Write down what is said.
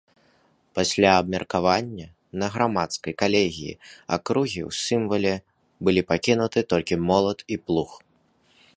Пасля абмеркавання на грамадскай калегіі акругі ў сімвале былі пакінуты толькі молат і плуг.